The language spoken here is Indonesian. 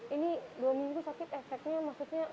ini dua minggu sakit efeknya maksudnya